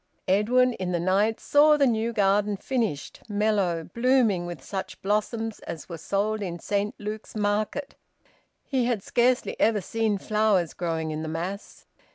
Edwin in the night saw the new garden finished, mellow, blooming with such blossoms as were sold in Saint Luke's Market; he had scarcely ever seen flowers growing in the mass.